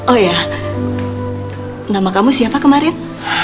oh ya nama kamu siapa kemarin